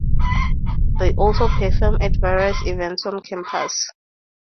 They also perform at various events on campus.